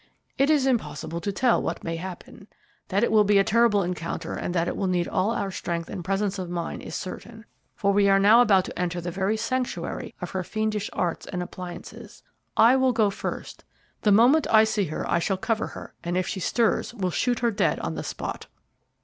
It is impossible to tell what may happen. That it will be a terrible encounter, and that it will need all our strength and presence of mind, is certain, for we are now about to enter the very sanctuary of her fiendish arts and appliances. I will go first. The moment I see her I shall cover her, and if she stirs will shoot her dead on the spot."